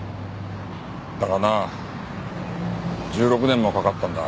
だがな１６年もかかったんだ。